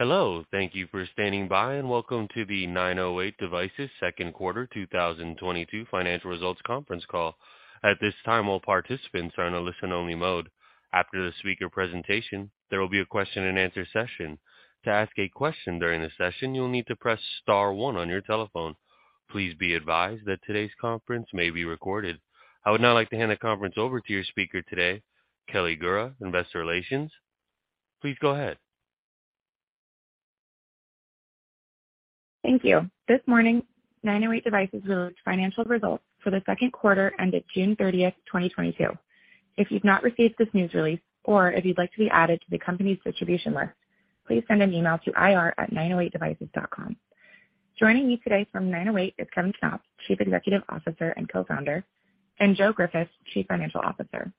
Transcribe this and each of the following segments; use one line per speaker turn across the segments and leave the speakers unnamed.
Hello. Thank you for standing by, and welcome to the 908 Devices second quarter 2022 financial results conference call. At this time, all participants are in a listen-only mode. After the speaker presentation, there will be a question-and-answer session. To ask a question during the session, you'll need to press star one on your telephone. Please be advised that today's conference may be recorded. I would now like to hand the conference over to your speaker today, Kelly Gura, Investor Relations. Please go ahead.
Thank you. This morning, 908 Devices released financial results for the second quarter ended June 30, 2022. If you've not received this news release or if you'd like to be added to the company's distribution list, please send an email to ir@908devices.com. Joining me today from 908 Devices is Kevin Knopp, Chief Executive Officer and Co-Founder, and Joe Griffith, Chief Financial Officer.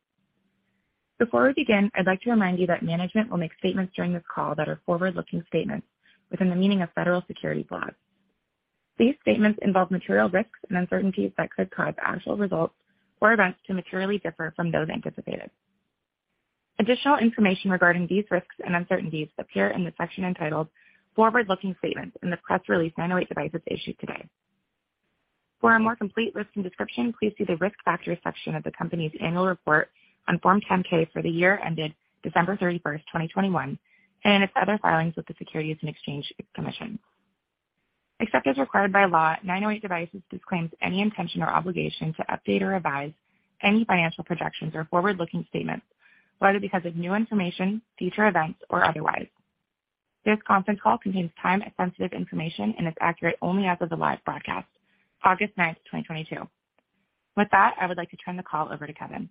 Before we begin, I'd like to remind you that management will make statements during this call that are forward-looking statements within the meaning of federal securities laws. These statements involve material risks and uncertainties that could cause actual results or events to materially differ from those anticipated. Additional information regarding these risks and uncertainties appear in the section entitled Forward-Looking Statements in the press release 908 Devices issued today. For a more complete list and description, please see the Risk Factors section of the company's annual report on Form 10-K for the year ended December 31, 2021, and in its other filings with the Securities and Exchange Commission. Except as required by law, 908 Devices disclaims any intention or obligation to update or revise any financial projections or forward-looking statements, whether because of new information, future events or otherwise. This conference call contains time-sensitive information and is accurate only as of the live broadcast, August 9, 2022. With that, I would like to turn the call over to Kevin.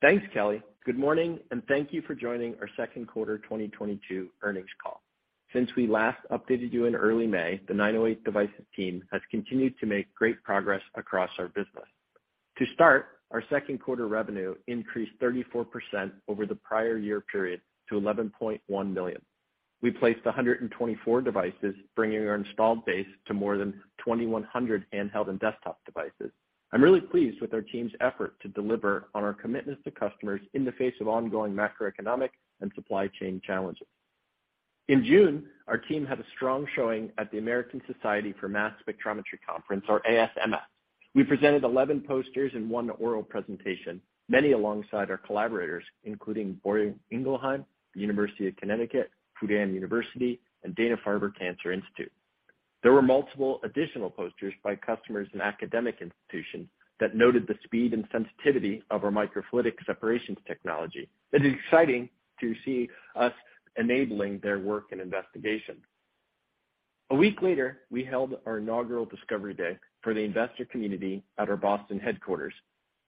Thanks, Kelly. Good morning, and thank you for joining our second quarter 2022 earnings call. Since we last updated you in early May, the 908 Devices team has continued to make great progress across our business. To start, our second quarter revenue increased 34% over the prior year period to $11.1 million. We placed 124 devices, bringing our installed base to more than 2,100 handheld and desktop devices. I'm really pleased with our team's effort to deliver on our commitment to customers in the face of ongoing macroeconomic and supply chain challenges. In June, our team had a strong showing at the American Society for Mass Spectrometry conference or ASMS. We presented 11 posters and one oral presentation, many alongside our collaborators, including Boehringer Ingelheim, University of Connecticut, Fudan University, and Dana-Farber Cancer Institute. There were multiple additional posters by customers and academic institutions that noted the speed and sensitivity of our microfluidic separations technology. It is exciting to see us enabling their work and investigation. A week later, we held our inaugural Discovery Day for the investor community at our Boston headquarters.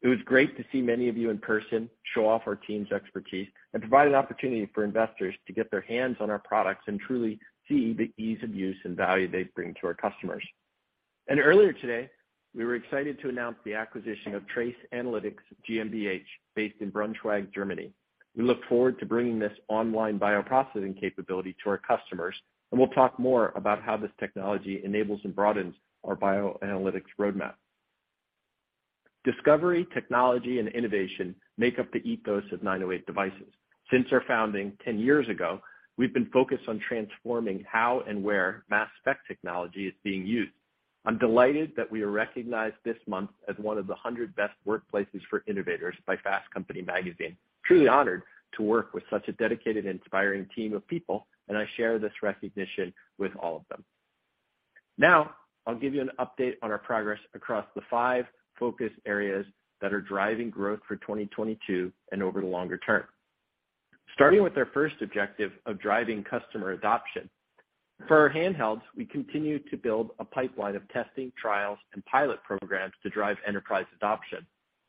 It was great to see many of you in person, show off our team's expertise, and provide an opportunity for investors to get their hands on our products and truly see the ease of use and value they bring to our customers. Earlier today, we were excited to announce the acquisition of TRACE Analytics GmbH based in Braunschweig, Germany. We look forward to bringing this online bioprocessing capability to our customers, and we'll talk more about how this technology enables and broadens our bioanalytics roadmap. Discovery, technology, and innovation make up the ethos of 908 Devices. Since our founding 10 years ago, we've been focused on transforming how and where mass spec technology is being used. I'm delighted that we are recognized this month as one of the 100 best workplaces for innovators by Fast Company magazine. Truly honored to work with such a dedicated and inspiring team of people, and I share this recognition with all of them. Now, I'll give you an update on our progress across the five focus areas that are driving growth for 2022 and over the longer term. Starting with our first objective of driving customer adoption. For our handhelds, we continue to build a pipeline of testing, trials, and pilot programs to drive enterprise adoption.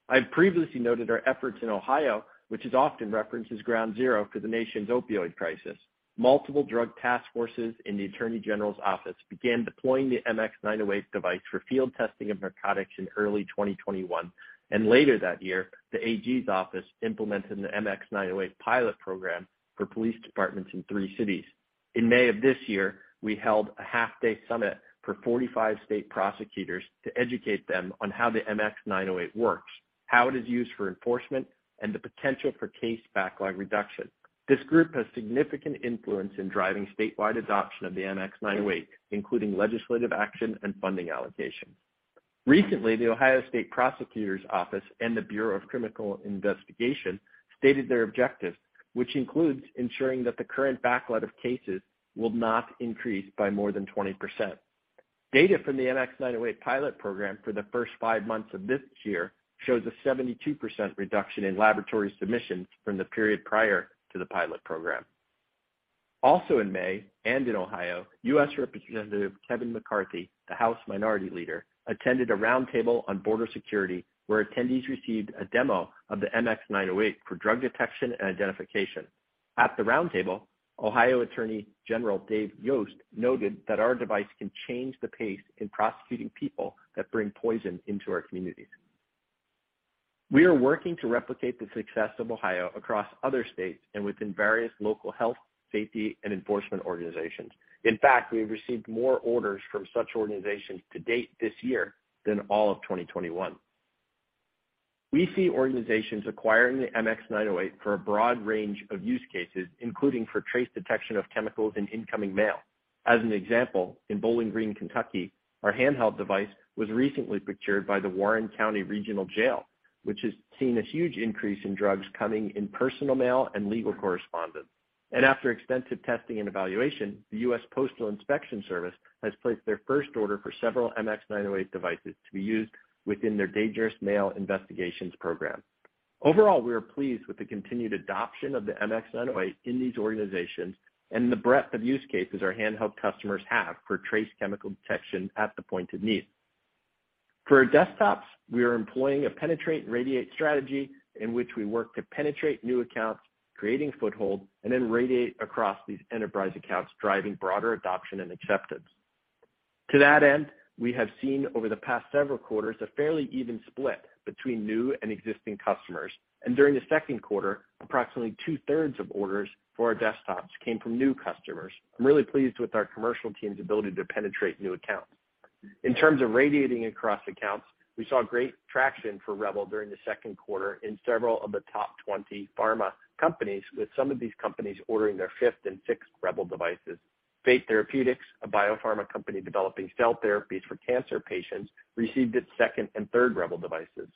I've previously noted our efforts in Ohio, which is often referenced as ground zero for the nation's opioid crisis. Multiple drug task forces in the Attorney General's office began deploying the MX908 device for field testing of narcotics in early 2021. Later that year, the AG's office implemented the MX908 pilot program for police departments in three cities. In May of this year, we held a half-day summit for 45 state prosecutors to educate them on how the MX908 works, how it is used for enforcement, and the potential for case backlog reduction. This group has significant influence in driving statewide adoption of the MX908, including legislative action and funding allocation. Recently, the Ohio State Prosecutor's Office and the Bureau of Criminal Investigation stated their objectives, which includes ensuring that the current backlog of cases will not increase by more than 20%. Data from the MX908 pilot program for the first five months of this year shows a 72% reduction in laboratory submissions from the period prior to the pilot program. Also in May, and in Ohio, U.S. Representative Kevin McCarthy, the House Minority Leader, attended a roundtable on border security, where attendees received a demo of the MX908 for drug detection and identification. At the roundtable, Ohio Attorney General Dave Yost noted that our device can change the pace in prosecuting people that bring poison into our communities. We are working to replicate the success of Ohio across other states and within various local health, safety, and enforcement organizations. In fact, we've received more orders from such organizations to date this year than all of 2021. We see organizations acquiring the MX908 for a broad range of use cases, including for trace detection of chemicals in incoming mail. As an example, in Bowling Green, Kentucky, our handheld device was recently procured by the Warren County Regional Jail, which has seen a huge increase in drugs coming in personal mail and legal correspondence. After extensive testing and evaluation, the US Postal Inspection Service has placed their first order for several MX908 devices to be used within their dangerous mail investigations program. Overall, we are pleased with the continued adoption of the MX908 in these organizations and the breadth of use cases our handheld customers have for trace chemical detection at the point of need. For our desktops, we are employing a penetrate and radiate strategy in which we work to penetrate new accounts, creating foothold, and then radiate across these enterprise accounts, driving broader adoption and acceptance. To that end, we have seen over the past several quarters a fairly even split between new and existing customers. During the second quarter, approximately 2/3s of orders for our desktops came from new customers. I'm really pleased with our commercial team's ability to penetrate new accounts. In terms of radiating across accounts, we saw great traction for REBEL during the second quarter in several of the top 20 pharma companies, with some of these companies ordering their fifth and sixth REBEL devices. Fate Therapeutics, a biopharma company developing cell therapies for cancer patients, received its second and third REBEL devices.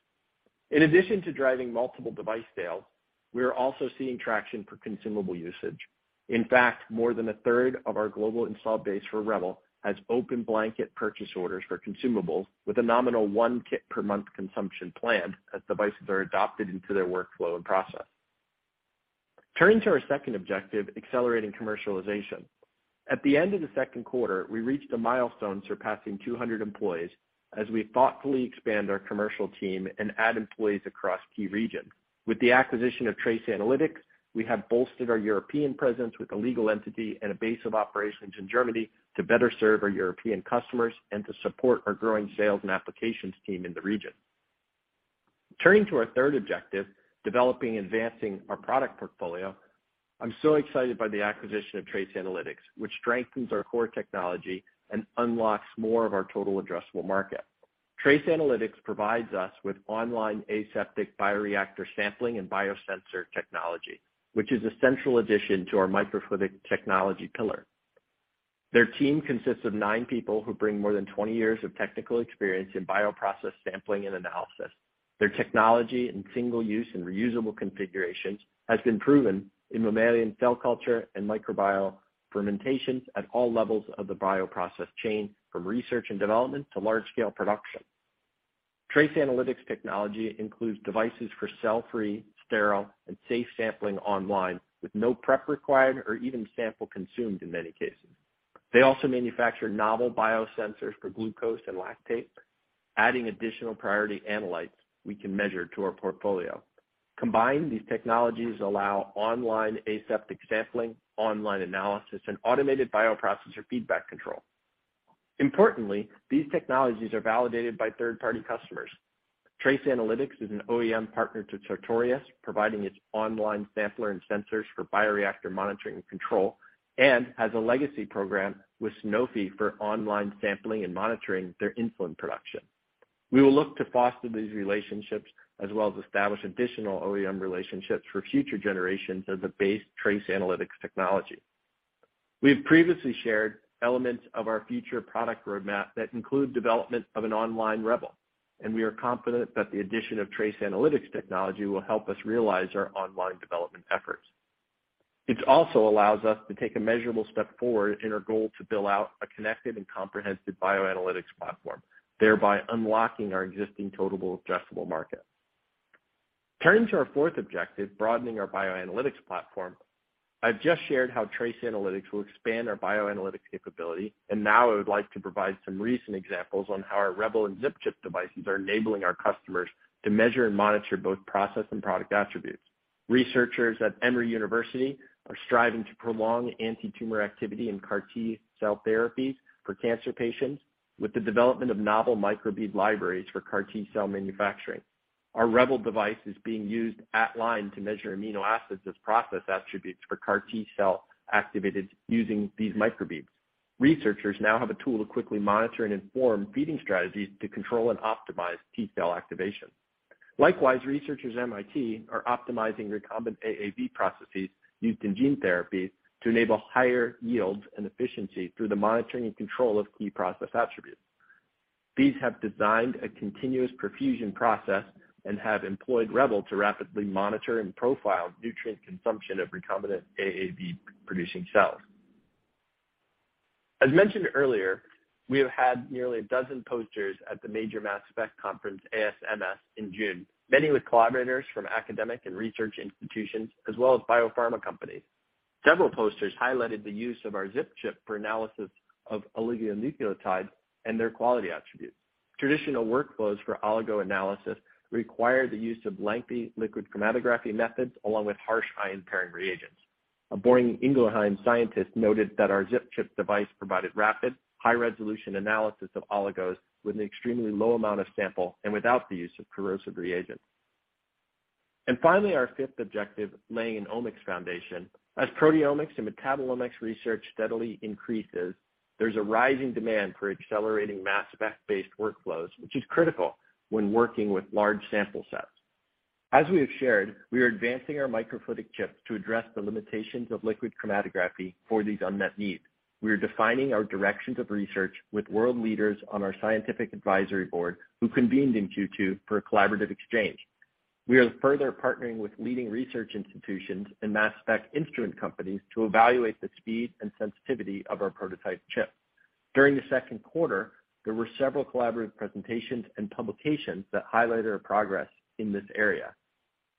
In addition to driving multiple device sales, we are also seeing traction for consumable usage. In fact, more than a third of our global installed base for REBEL has open blanket purchase orders for consumables with a nominal one kit per month consumption planned as devices are adopted into their workflow and process. Turning to our second objective, accelerating commercialization. At the end of the second quarter, we reached a milestone surpassing 200 employees as we thoughtfully expand our commercial team and add employees across key regions. With the acquisition of TRACE Analytics, we have bolstered our European presence with a legal entity and a base of operations in Germany to better serve our European customers and to support our growing sales and applications team in the region. Turning to our third objective, developing and advancing our product portfolio. I'm so excited by the acquisition of TRACE Analytics, which strengthens our core technology and unlocks more of our total addressable market. TRACE Analytics provides us with online aseptic bioreactor sampling and biosensor technology, which is a central addition to our microfluidic technology pillar. Their team consists of nine people who bring more than 20 years of technical experience in bioprocess sampling and analysis. Their technology in single-use and reusable configurations has been proven in mammalian cell culture and microbial fermentations at all levels of the bioprocess chain, from research and development to large-scale production. TRACE Analytics technology includes devices for cell-free, sterile, and safe sampling online with no prep required or even sample consumed in many cases. They also manufacture novel biosensors for glucose and lactate, adding additional priority analytes we can measure to our portfolio. Combined, these technologies allow online aseptic sampling, online analysis, and automated bioprocessor feedback control. Importantly, these technologies are validated by third-party customers. TRACE Analytics is an OEM partner to Sartorius, providing its online sampler and sensors for bioreactor monitoring and control, and has a legacy program with Sanofi for online sampling and monitoring their insulin production. We will look to foster these relationships as well as establish additional OEM relationships for future generations of the base TRACE Analytics technology. We have previously shared elements of our future product roadmap that include development of an online REBEL, and we are confident that the addition of TRACE Analytics technology will help us realize our online development efforts. It also allows us to take a measurable step forward in our goal to build out a connected and comprehensive bioanalytics platform, thereby unlocking our existing total addressable market. Turning to our fourth objective, broadening our bioanalytics platform. I've just shared how TRACE Analytics will expand our bioanalytics capability, and now I would like to provide some recent examples on how our REBEL and ZipChip devices are enabling our customers to measure and monitor both process and product attributes. Researchers at Emory University are striving to prolong antitumor activity in CAR T-cell therapies for cancer patients with the development of novel microbead libraries for CAR T-cell manufacturing. Our REBEL device is being used at-line to measure amino acids as process attributes for CAR T cell activated using these microbeads. Researchers now have a tool to quickly monitor and inform feeding strategies to control and optimize T cell activation. Likewise, researchers at MIT are optimizing recombinant AAV processes used in gene therapies to enable higher yields and efficiency through the monitoring and control of key process attributes. They have designed a continuous perfusion process and have employed REBEL to rapidly monitor and profile nutrient consumption of recombinant AAV-producing cells. As mentioned earlier, we have had nearly a dozen posters at the major mass spec conference, ASMS, in June, many with collaborators from academic and research institutions as well as biopharma companies. Several posters highlighted the use of our ZipChip for analysis of oligonucleotide and their quality attributes. Traditional workflows for oligo analysis require the use of lengthy liquid chromatography methods along with harsh ion pairing reagents. A Boehringer Ingelheim scientist noted that our ZipChip device provided rapid, high-resolution analysis of oligos with an extremely low amount of sample and without the use of corrosive reagents. Finally, our fifth objective, laying an omics foundation. As proteomics and metabolomics research steadily increases, there's a rising demand for accelerating mass spec-based workflows, which is critical when working with large sample sets. As we have shared, we are advancing our microfluidic chips to address the limitations of liquid chromatography for these unmet needs. We are defining our directions of research with world leaders on our scientific advisory board, who convened in Q2 for a collaborative exchange. We are further partnering with leading research institutions and mass spec instrument companies to evaluate the speed and sensitivity of our prototype chip. During the second quarter, there were several collaborative presentations and publications that highlighted our progress in this area.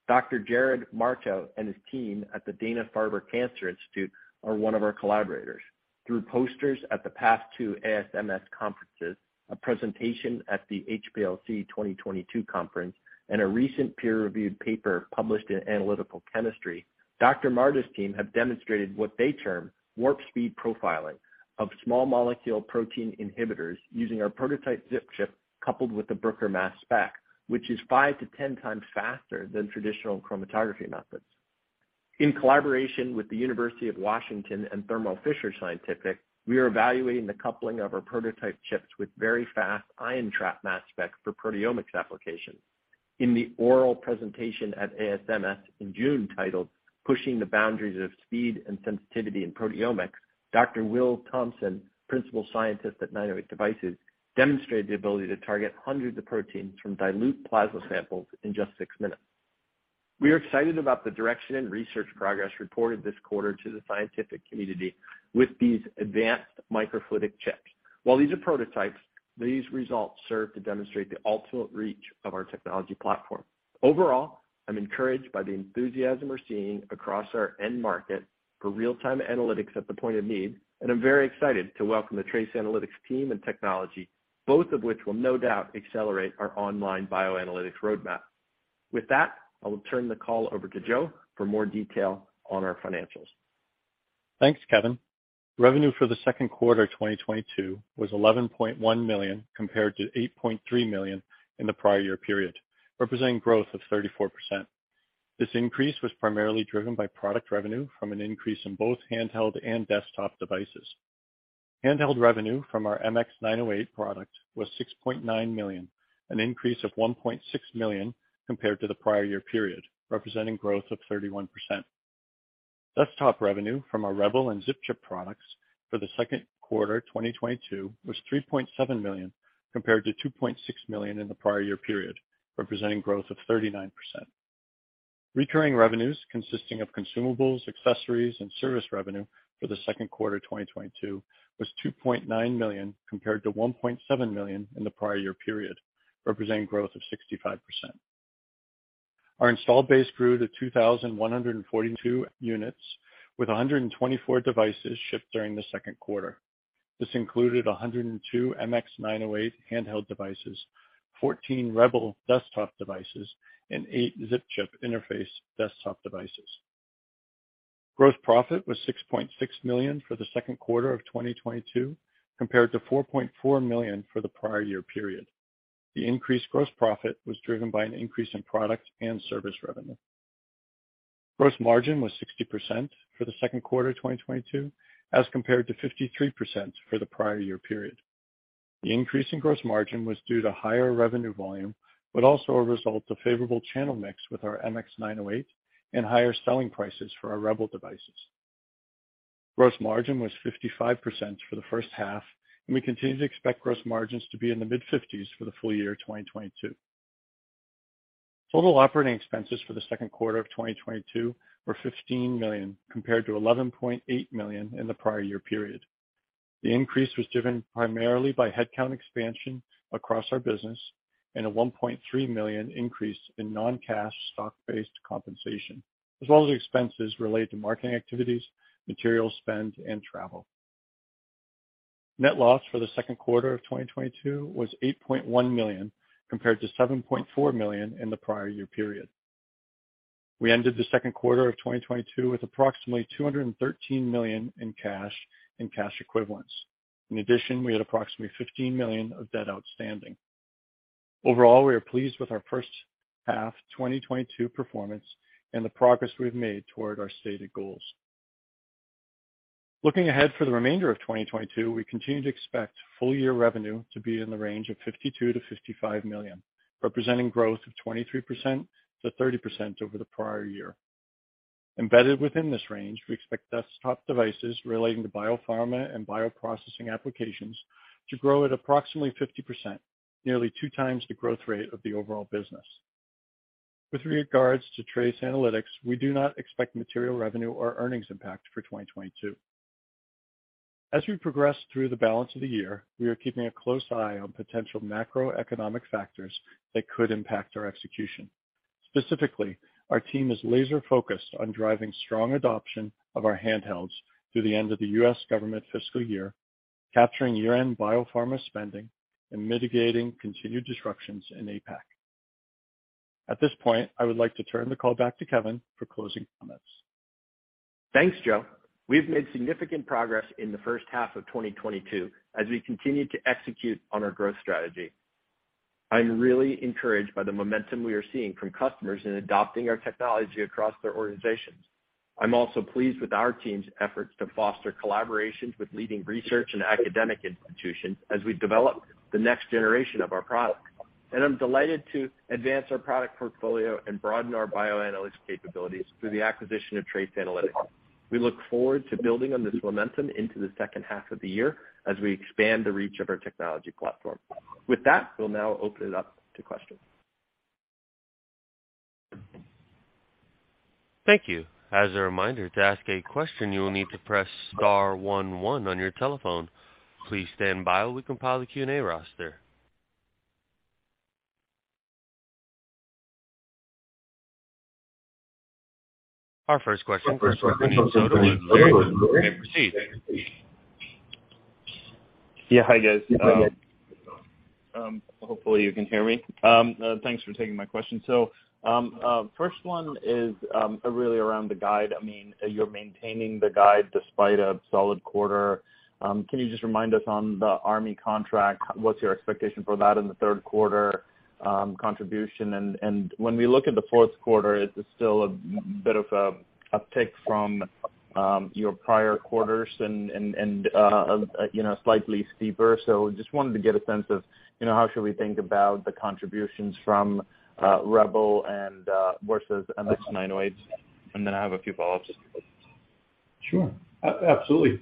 Dr. Jarrod Marto and his team at the Dana-Farber Cancer Institute are one of our collaborators. Through posters at the past two ASMS conferences, a presentation at the HPLC 2022 conference, and a recent peer-reviewed paper published in Analytical Chemistry, Dr. Jarrod Marto's team have demonstrated what they term warp speed profiling of small molecule protein inhibitors using our prototype ZipChip, coupled with the Bruker mass spec, which is 5-10 times faster than traditional chromatography methods. In collaboration with the University of Washington and Thermo Fisher Scientific, we are evaluating the coupling of our prototype chips with very fast ion trap mass spec for proteomics applications. In the oral presentation at ASMS in June titled Pushing the Boundaries of Speed and Sensitivity in Proteomics, Dr. Will Thompson, principal scientist at 908 Devices, demonstrated the ability to target hundreds of proteins from dilute plasma samples in just six minutes. We are excited about the direction and research progress reported this quarter to the scientific community with these advanced microfluidic chips. While these are prototypes, these results serve to demonstrate the ultimate reach of our technology platform. Overall, I'm encouraged by the enthusiasm we're seeing across our end market for real-time analytics at the point of need, and I'm very excited to welcome the TRACE Analytics team and technology, both of which will no doubt accelerate our online bioanalytics roadmap. With that, I will turn the call over to Joe for more detail on our financials.
Thanks, Kevin. Revenue for the second quarter 2022 was $11.1 million, compared to $8.3 million in the prior year period, representing growth of 34%. This increase was primarily driven by product revenue from an increase in both handheld and desktop devices. Handheld revenue from our MX908 product was $6.9 million, an increase of $1.6 million compared to the prior year period, representing growth of 31%. Desktop revenue from our REBEL and ZipChip products for the second quarter 2022 was $3.7 million, compared to $2.6 million in the prior year period, representing growth of 39%. Recurring revenues consisting of consumables, accessories, and service revenue for the second quarter 2022 was $2.9 million, compared to $1.7 million in the prior year period, representing growth of 65%. Our installed base grew to 2,142 units with 124 devices shipped during the second quarter. This included 102 MX908 handheld devices, 14 REBEL desktop devices, and eight ZipChip interface desktop devices. Gross profit was $6.6 million for the second quarter of 2022, compared to $4.4 million for the prior year period. The increased gross profit was driven by an increase in product and service revenue. Gross margin was 60% for the second quarter 2022, as compared to 53% for the prior year period. The increase in gross margin was due to higher revenue volume, but also a result of favorable channel mix with our MX908 and higher selling prices for our REBEL devices. Gross margin was 55% for the first half, and we continue to expect gross margins to be in the mid-50s for the full year 2022. Total operating expenses for the second quarter of 2022 were $15 million, compared to $11.8 million in the prior year period. The increase was driven primarily by headcount expansion across our business and a $1.3 million increase in non-cash stock-based compensation, as well as expenses related to marketing activities, material spend, and travel. Net loss for the second quarter of 2022 was $8.1 million, compared to $7.4 million in the prior year period. We ended the second quarter of 2022 with approximately $213 million in cash and cash equivalents. In addition, we had approximately $15 million of debt outstanding. Overall, we are pleased with our first half 2022 performance and the progress we've made toward our stated goals. Looking ahead for the remainder of 2022, we continue to expect full year revenue to be in the range of $52 million-$55 million, representing growth of 23%-30% over the prior year. Embedded within this range, we expect desktop devices relating to biopharma and bioprocessing applications to grow at approximately 50%, nearly two-times the growth rate of the overall business. With regards to TRACE Analytics, we do not expect material revenue or earnings impact for 2022. As we progress through the balance of the year, we are keeping a close eye on potential macroeconomic factors that could impact our execution. Specifically, our team is laser-focused on driving strong adoption of our handhelds through the end of the U.S. government fiscal year, capturing year-end biopharma spending, and mitigating continued disruptions in APAC. At this point, I would like to turn the call back to Kevin for closing comments.
Thanks, Joe. We've made significant progress in the first half of 2022 as we continue to execute on our growth strategy. I'm really encouraged by the momentum we are seeing from customers in adopting our technology across their organizations. I'm also pleased with our team's efforts to foster collaborations with leading research and academic institutions as we develop the next generation of our products. I'm delighted to advance our product portfolio and broaden our bioanalysis capabilities through the acquisition of TRACE Analytics. We look forward to building on this momentum into the second half of the year as we expand the reach of our technology platform. With that, we'll now open it up to questions.
Thank you. As a reminder, to ask a question, you will need to press star one-one on your telephone. Please stand by while we compile the Q&A roster. Our first question comes from the line of Puneet Souda. You may proceed.
Yeah. Hi, guys. Hopefully you can hear me. Thanks for taking my question. First one is really around the guide. I mean, you're maintaining the guide despite a solid quarter. Can you just remind us on the Army contract, what's your expectation for that in the third quarter contribution? When we look at the fourth quarter, is it still a bit of a tick from your prior quarters and you know, slightly steeper? Just wanted to get a sense of you know, how should we think about the contributions from REBEL versus MX908s. Then I have a few follow-ups.
Sure. Absolutely.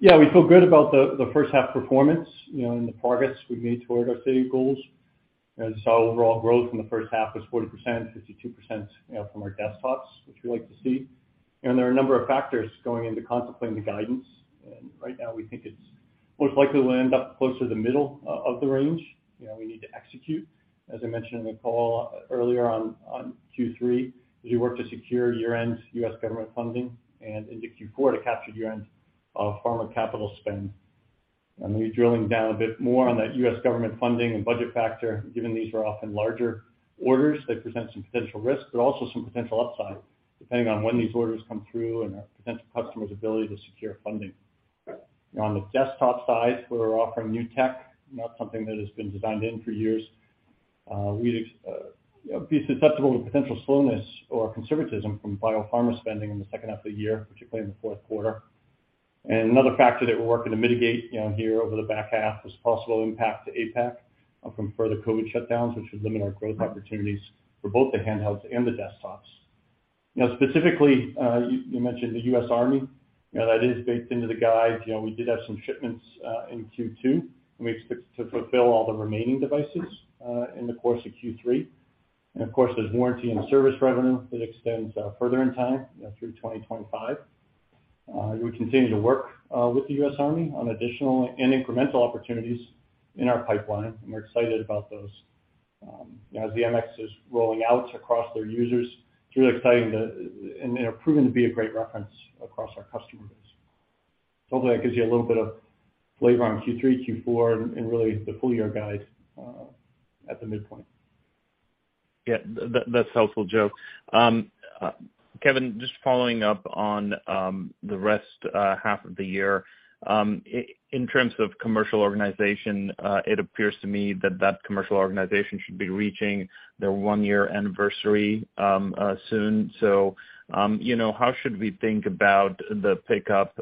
Yeah, we feel good about the first half performance, you know, and the progress we've made toward our stated goals. Overall growth in the first half was 40%, 52%, you know, from our desktops, which we like to see. There are a number of factors going into contemplating the guidance. Right now, we think it's most likely we'll end up closer to the middle of the range. You know, we need to execute, as I mentioned in the call earlier on Q3, as we work to secure year-end U.S. government funding and into Q4 to capture year-end pharma capital spend. We're drilling down a bit more on that U.S. government funding and budget factor, given these are often larger orders that present some potential risk, but also some potential upside, depending on when these orders come through and our potential customer's ability to secure funding. On the desktop side, we're offering new tech, not something that has been designed in for years. We'd be susceptible to potential slowness or conservatism from biopharma spending in the second half of the year, particularly in the fourth quarter. Another factor that we're working to mitigate, you know, here over the back half is possible impact to APAC from further COVID shutdowns, which would limit our growth opportunities for both the handhelds and the desktops. You know, specifically, you mentioned the U.S. Army. You know, that is baked into the guide. You know, we did have some shipments in Q2, and we expect to fulfill all the remaining devices in the course of Q3. Of course, there's warranty and service revenue that extends further in time, you know, through 2025. We continue to work with the U.S. Army on additional and incremental opportunities in our pipeline, and we're excited about those. As the MX is rolling out across their users, it's really exciting, and they're proven to be a great reference across our customer base. Hopefully, that gives you a little bit of flavor on Q3, Q4, and really the full year, guys, at the midpoint.
That's helpful, Joe. Kevin, just following up on the second half of the year, in terms of commercial organization, it appears to me that commercial organization should be reaching their one-year anniversary soon. You know, how should we think about the pickup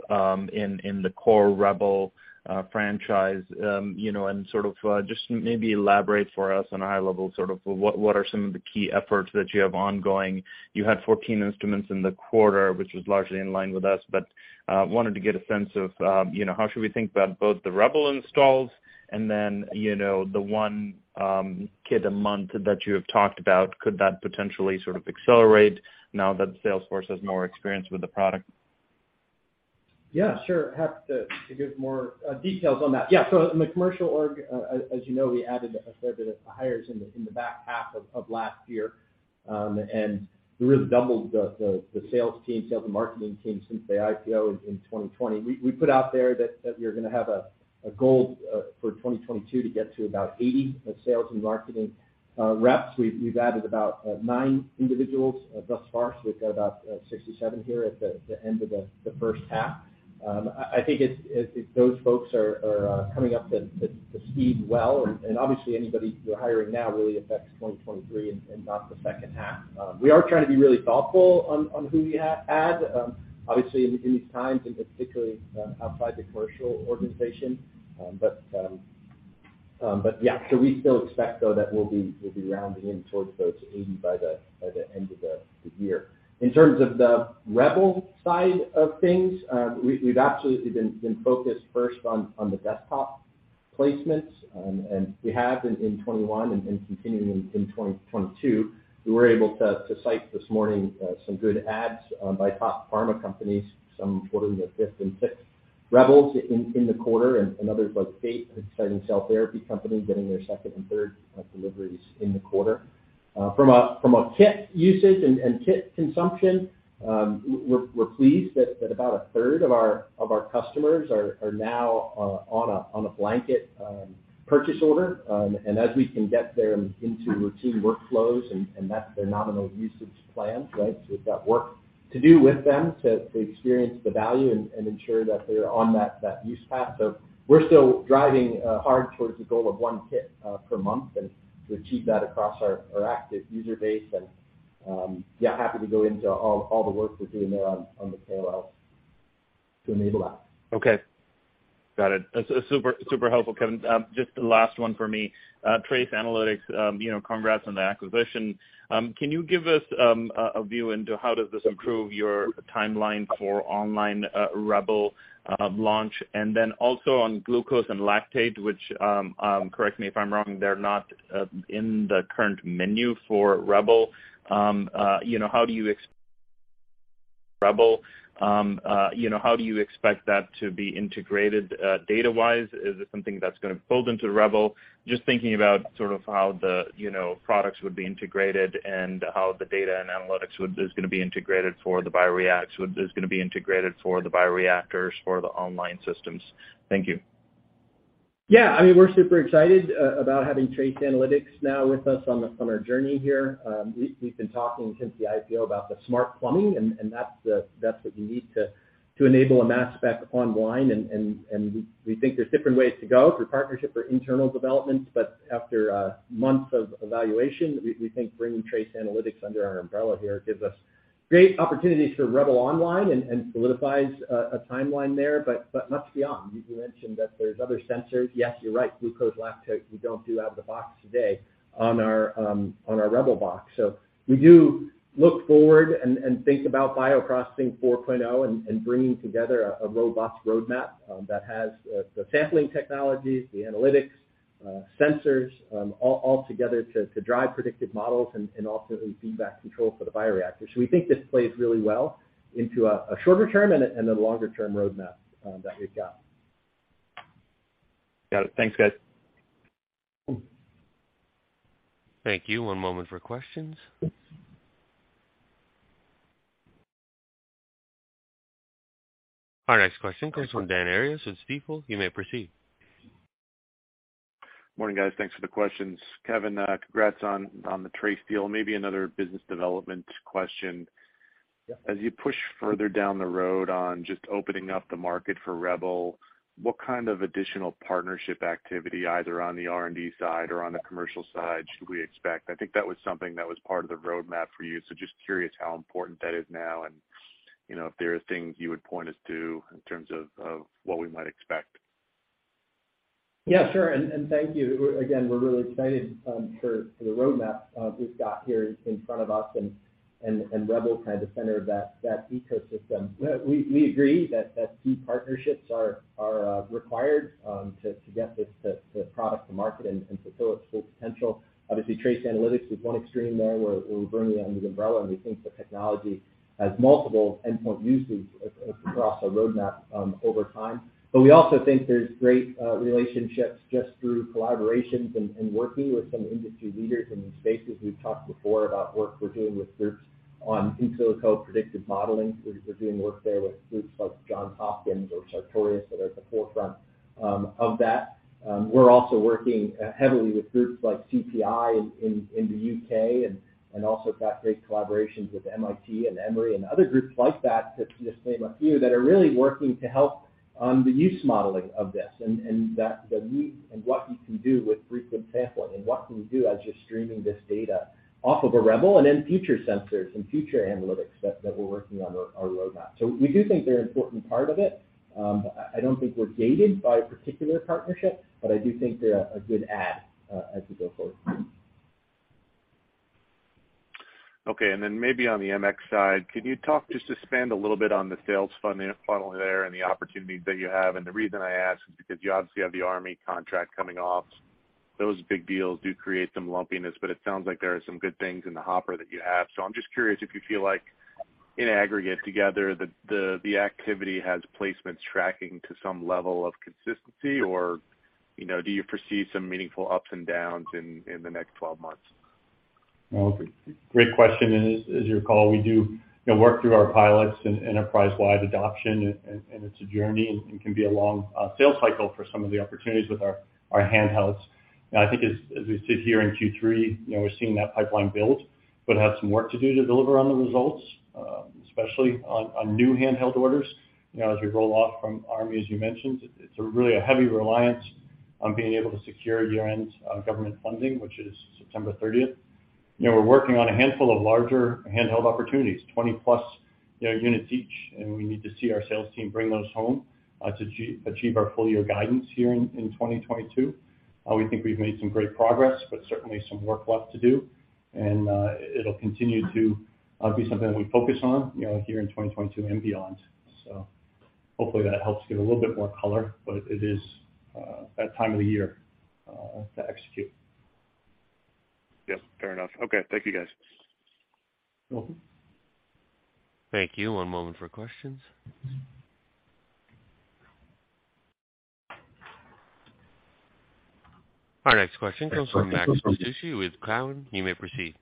in the core REBEL franchise, you know, and sort of just maybe elaborate for us on a high level, sort of what are some of the key efforts that you have ongoing? You had 14 instruments in the quarter, which was largely in line with us, but wanted to get a sense of, you know, how should we think about both the REBEL installs and then, you know, the one kit a month that you have talked about, could that potentially sort of accelerate now that sales force has more experience with the product?
Yeah, sure. Happy to give more details on that. Yeah. So in the commercial org, as you know, we added a fair bit of hires in the back half of last year. We really doubled the sales team, sales and marketing team since the IPO in 2020. We put out there that we are gonna have a goal for 2022 to get to about 80 sales and marketing reps. We've added about nine individuals thus far. So we've got about 67 here at the end of the first half. I think it's those folks are coming up to speed well. Obviously anybody we're hiring now really affects 2023 and not the second half. We are trying to be really thoughtful on who we add, obviously in these times, and particularly outside the commercial organization. Yeah. We still expect though that we'll be rounding in towards those 80 by the end of the year. In terms of the REBEL side of things, we've absolutely been focused first on the desktop placements. We have in 2021 and continuing in 2022, we were able to cite this morning some good adds by top pharma companies, some ordering their fifth and sixth REBELs in the quarter, and others like Fate, an exciting cell therapy company, getting their second and third deliveries in the quarter. From a kit usage and kit consumption, we're pleased that about a third of our customers are now on a blanket purchase order. As we can get them into routine workflows and that's their nominal usage plan, right? We've got work to do with them to experience the value and ensure that they're on that use path. We're still driving hard towards the goal of one kit per month and to achieve that across our active user base. Yeah, happy to go into all the work we're doing there on the KOLs to enable that.
Okay. Got it. That's super helpful, Kevin. Just the last one for me. TRACE Analytics, you know, congrats on the acquisition. Can you give us a view into how does this improve your timeline for online REBEL launch? And then also on glucose and lactate, which, correct me if I'm wrong, they're not in the current menu for REBEL. You know, how do you expect that to be integrated, data-wise? Is it something that's gonna fold into REBEL? Just thinking about sort of how the, you know, products would be integrated and how the data and analytics is gonna be integrated for the bioreactors, for the online systems. Thank you.
Yeah. I mean, we're super excited about having TRACE Analytics now with us on our journey here. We've been talking since the IPO about the smart plumbing, and that's what you need to enable a mass spec online. We think there's different ways to go through partnership or internal developments. After months of evaluation, we think bringing TRACE Analytics under our umbrella here gives us great opportunities for REBEL online and solidifies a timeline there, but much beyond. You mentioned that there's other sensors. Yes, you're right. Glucose, lactate, we don't do out of the box today on our REBEL box. We do look forward and think about Bioprocessing 4.0 and bringing together a robust roadmap that has the sampling technologies, the analytics, sensors, all together to drive predictive models and ultimately feedback control for the bioreactors. We think this plays really well into a shorter term and a longer term roadmap that we've got.
Got it. Thanks, guys.
Thank you. One moment for questions. Our next question comes from Dan Arias of Stifel. You may proceed.
Morning, guys. Thanks for the questions. Kevin, congrats on the TRACE deal. Maybe another business development question.
Yeah.
As you push further down the road on just opening up the market for REBEL, what kind of additional partnership activity, either on the R&D side or on the commercial side, should we expect? I think that was something that was part of the roadmap for you, so just curious how important that is now and, you know, if there are things you would point us to in terms of what we might expect.
Yeah, sure. Thank you. We're really excited for the roadmap we've got here in front of us and REBEL kind of center of that ecosystem. We agree that key partnerships are required to get the product to market and fulfill its full potential. Obviously, TRACE Analytics is one extreme there where we're bringing it under the umbrella, and we think the technology has multiple endpoint uses across our roadmap over time. We also think there's great relationships just through collaborations and working with some industry leaders in these spaces. We've talked before about work we're doing with groups on in silico predictive modeling. We're doing work there with groups like Johns Hopkins or Sartorius that are at the forefront of that. We're also working heavily with groups like CPI in the U.K. and also got great collaborations with MIT and Emory and other groups like that, to just name a few, that are really working to help the use modeling of this and that, the use and what you can do with frequent sampling and what can you do as you're streaming this data off of a REBEL and then future sensors and future analytics that we're working on our roadmap. We do think they're an important part of it. I don't think we're gated by a particular partnership, but I do think they're a good add as we go forward.
Okay. Maybe on the MX side, can you talk just to expand a little bit on the sales funnel there and the opportunities that you have? The reason I ask is because you obviously have the Army contract coming off. Those big deals do create some lumpiness, but it sounds like there are some good things in the hopper that you have. I'm just curious if you feel like in aggregate together, the activity has placements tracking to some level of consistency or, you know, do you foresee some meaningful ups and downs in the next 12 months?
Well, great question. As you recall, we do, you know, work through our pilots and enterprise-wide adoption and it's a journey and can be a long sales cycle for some of the opportunities with our handhelds. I think as we sit here in Q3, you know, we're seeing that pipeline build, but have some work to do to deliver on the results, especially on new handheld orders. You know, as we roll off from armies, as you mentioned, it's really a heavy reliance on being able to secure year-end government funding, which is September 30. You know, we're working on a handful of larger handheld opportunities, 20+ units each, and we need to see our sales team bring those home to achieve our full-year guidance here in 2022. We think we've made some great progress, but certainly some work left to do. It'll continue to be something that we focus on, you know, here in 2022 and beyond. Hopefully that helps give a little bit more color, but it is that time of the year to execute.
Yep. Fair enough. Okay. Thank you, guys.
Welcome.
Thank you. One moment for questions. Our next question comes from Max Masucci with Cowen. You may proceed.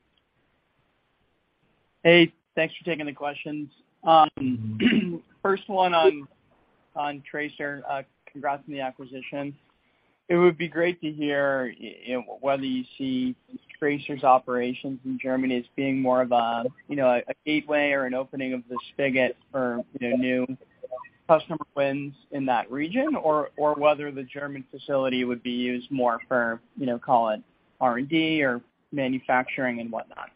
Hey, thanks for taking the questions. First one on TRACE. Congrats on the acquisition. It would be great to hear whether you see TRACE's operations in Germany as being more of a, you know, a gateway or an opening of the spigot for, you know, new customer wins in that region or whether the German facility would be used more for, you know, call it R&D or manufacturing and whatnot.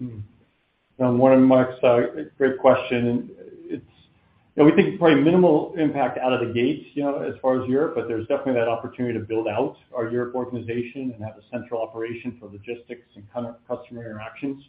Good morning, Max. Great question. We think it's probably minimal impact out of the gate, you know, as far as Europe, but there's definitely that opportunity to build out our Europe organization and have a central operation for logistics and customer interactions.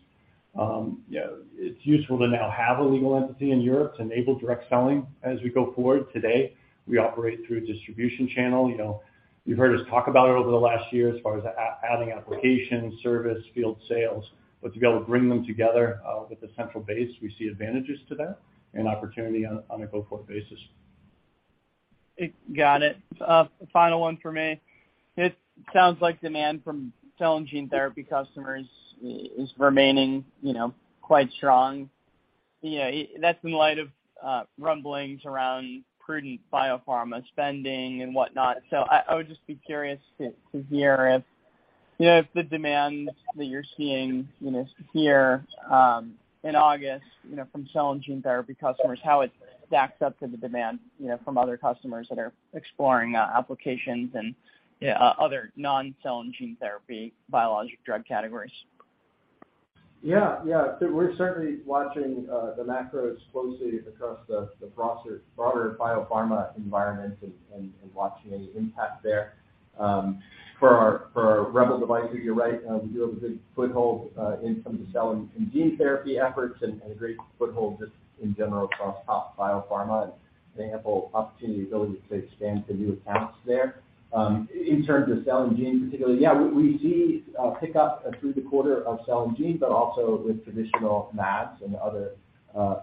Yeah, it's useful to now have a legal entity in Europe to enable direct selling as we go forward. Today, we operate through a distribution channel. You know, you've heard us talk about it over the last year as far as adding application, service, field sales. To be able to bring them together with the central base, we see advantages to that and opportunity on a go-forward basis.
Got it. Final one for me. It sounds like demand from cell and gene therapy customers is remaining, you know, quite strong. You know, that's in light of rumblings around prudent biopharma spending and whatnot. I would just be curious to hear if, you know, if the demand that you're seeing, you know, here in August, you know, from cell and gene therapy customers, how it stacks up to the demand, you know, from other customers that are exploring applications and, you know, other non-cell and gene therapy biologic drug categories.
Yeah. Yeah. We're certainly watching the macros closely across the broader biopharma environment and watching any impact there. For our REBEL device, you're right. We do have a good foothold in some of the cell and gene therapy efforts and a great foothold just in general across top biopharma and ample opportunity ability to expand to new accounts there. In terms of cell and gene particularly, yeah, we see pick up through the quarter of cell and gene, but also with traditional mAbs and other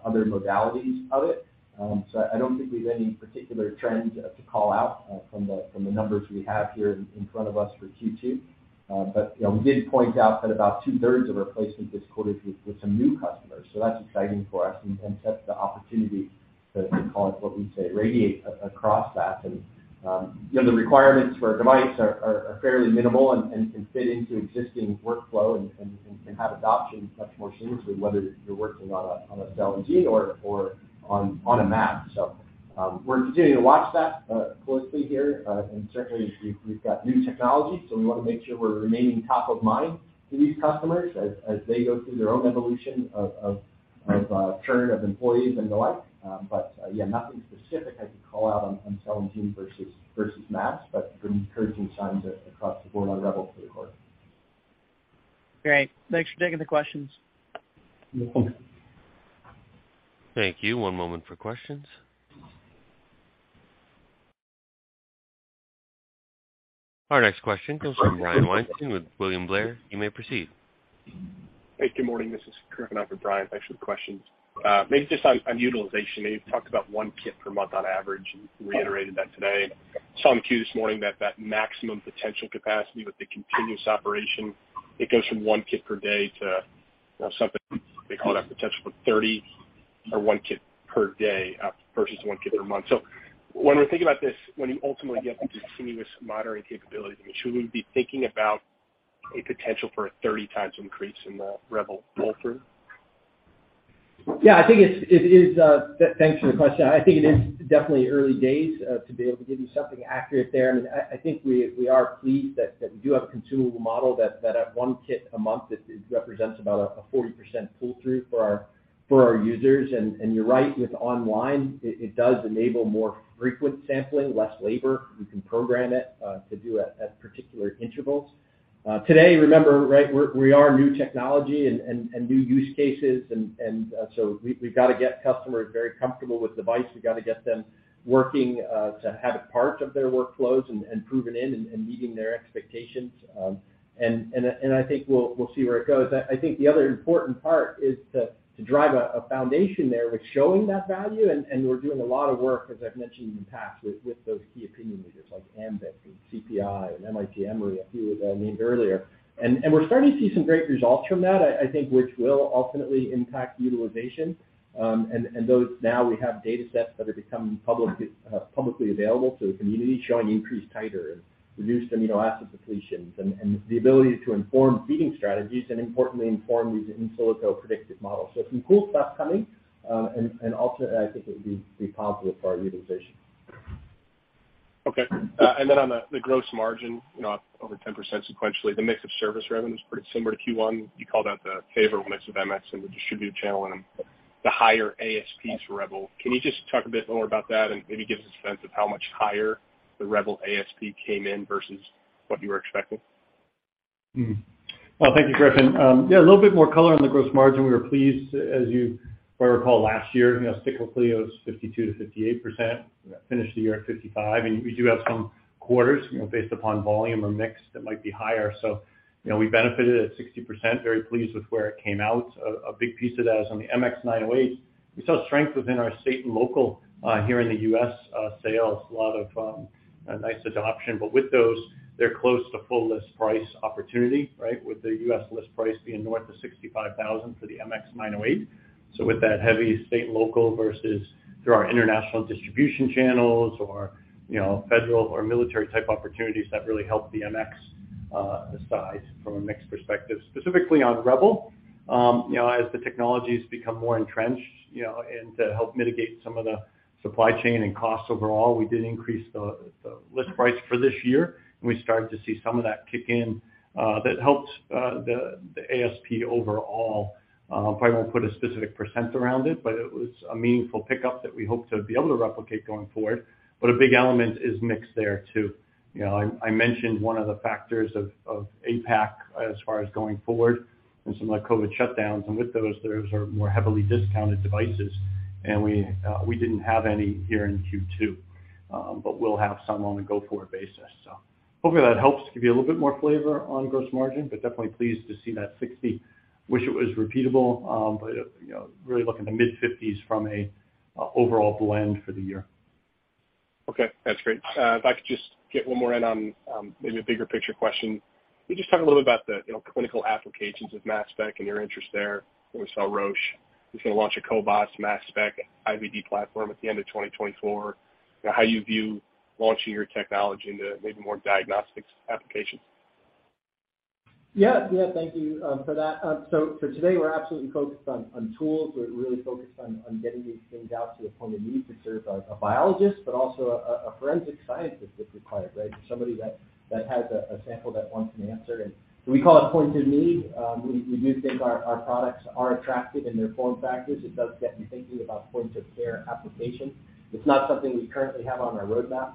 modalities of it. I don't think we have any particular trends to call out from the numbers we have here in front of us for Q2, you know, we did point out that about two-thirds of our placement this quarter is with some new customers, so that's exciting for us and sets the opportunity to call it what we say, radiate across that. You know, the requirements for our device are fairly minimal and can fit into existing workflow and can have adoption much more seamlessly, whether you're working on a cell and gene or on a mAbs. we're continuing to watch that closely here. certainly, we've got new technology, so we wanna make sure we're remaining top of mind to these customers as they go through their own evolution of churn of employees and the like. Yeah, nothing specific I could call out on cell and gene versus mAbs, but some encouraging signs across the board on REBEL for the quarter.
Great. Thanks for taking the questions.
You're welcome.
Thank you. One moment for questions. Our next question comes from Brian Weinstein with William Blair. You may proceed.
Hey, good morning. This is Brian. Thanks for the questions. Maybe just on utilization. You've talked about one kit per month on average and reiterated that today. Saw in the queue this morning that maximum potential capacity with the continuous operation goes from one kit per day to, you know, something they call potential for 31 kit per day versus one kit per month. When we're thinking about this, when you ultimately get to continuous monitoring capabilities, I mean, should we be thinking about a potential for a 30 times increase in the REBEL pull-through?
Thanks for the question. I think it is definitely early days to be able to give you something accurate there. I mean, I think we are pleased that we do have a consumable model that at one kit a month, it represents about a 40% pull-through for our users. You're right, with online, it does enable more frequent sampling, less labor. We can program it to do at particular intervals. Today, remember, we are new technology and new use cases. We've got to get customers very comfortable with device. We've got to get them working to have it part of their workflows and proven in and meeting their expectations. I think we'll see where it goes. I think the other important part is to drive a foundation there with showing that value, and we're doing a lot of work, as I've mentioned in the past, with those key opinion leaders like Amgen and CPI and MIT Emory, a few that I named earlier. We're starting to see some great results from that, I think, which will ultimately impact utilization. Those now we have data sets that are becoming publicly available to the community, showing increased titer and reduced amino acid depletions and the ability to inform feeding strategies and importantly inform these in silico predictive models. Some cool stuff coming, and ultimately, I think it will be positive for our utilization.
Okay. On the gross margin, you know, over 10% sequentially, the mix of service revenue is pretty similar to Q1. You called out the favorable mix of MX in the distributed channel and the higher ASPs REBEL. Can you just talk a bit more about that and maybe give us a sense of how much higher the REBEL ASP came in versus what you were expecting?
Well, thank you, Griffith. Yeah, a little bit more color on the gross margin. We were pleased, as you probably recall last year, you know, cyclically it was 52%-58%. Finished the year at 55%, and we do have some quarters, you know, based upon volume or mix that might be higher. You know, we benefited at 60%, very pleased with where it came out. A big piece of that is on the MX908. We saw strength within our state and local here in the U.S. sales. A lot of nice adoption. With those, they're close to full list price opportunity, right? With the U.S. list price being north of $65,000 for the MX908. With that heavy state and local versus through our international distribution channels or, you know, federal or military type opportunities that really help the MX size from a mix perspective. Specifically on REBEL, you know, as the technologies become more entrenched, you know, and to help mitigate some of the supply chain and costs overall, we did increase the list price for this year, and we started to see some of that kick in, that helped the ASP overall. Probably won't put a specific percent around it, but it was a meaningful pickup that we hope to be able to replicate going forward. A big element is mix there too. You know, I mentioned one of the factors of APAC as far as going forward and some of the COVID shutdowns, and with those are more heavily discounted devices and we didn't have any here in Q2. But we'll have some on a go-forward basis. Hopefully that helps give you a little bit more flavor on gross margin, but definitely pleased to see that 60%. Wish it was repeatable, but you know, really look in the mid-50s% from a overall blend for the year.
Okay, that's great. If I could just get one more in on maybe a bigger picture question. Can you just talk a little bit about the, you know, clinical applications of mass spec and your interest there? We saw Roche is gonna launch a cobas mass spec IVD platform at the end of 2024. You know, how you view launching your technology into maybe more diagnostics applications.
Yeah. Thank you for that. So for today we're absolutely focused on tools. We're really focused on getting these things out to a point of need to serve a biologist, but also a forensic scientist if required, right? Somebody that has a sample that wants an answer. We call it point of need. We do think our products are attractive in their form factors. It does get me thinking about point of care application. It's not something we currently have on our roadmap.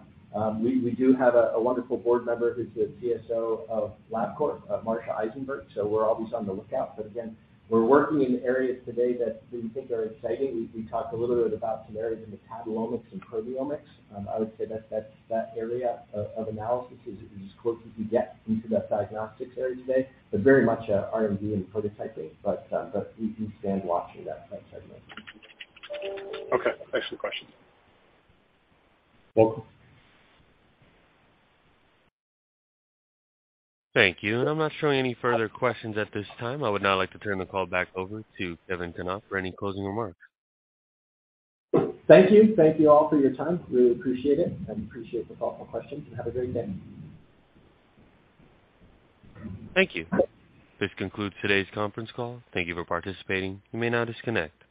We do have a wonderful board member who's the CSO of Labcorp, Marcia Eisenberg, so we're always on the lookout. We're working in areas today that we think are exciting. We talked a little bit about some areas in metabolomics and proteomics. I would say that area of analysis is as close as we get into that diagnostics area today. Very much, R&D and prototyping. We stand watching that segment.
Okay. Thanks for the question.
Welcome.
Thank you. I'm not showing any further questions at this time. I would now like to turn the call back over to Kevin Knopp for any closing remarks.
Thank you. Thank you all for your time. Really appreciate it, and appreciate the thoughtful questions, and have a great day.
Thank you. This concludes today's conference call. Thank you for participating. You may now disconnect.